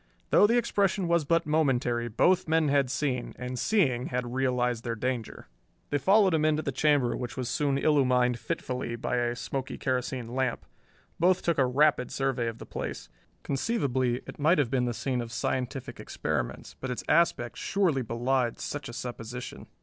Though the expression was but momentary, both men had seen, and seeing had realized their danger. They followed him into the chamber, which was soon illumined fitfully by a smoky kerosene lamp. Both took a rapid survey of the place. Conceivably it might have been the scene of scientific experiments, but its aspect surely belied such a supposition.